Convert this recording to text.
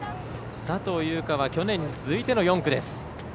佐藤悠花は去年に続いての４区です。